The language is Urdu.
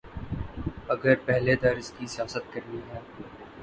اگر پہلے طرز کی سیاست کرنی ہے۔